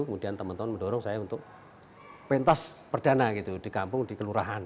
kemudian teman teman mendorong saya untuk pentas perdana gitu di kampung di kelurahan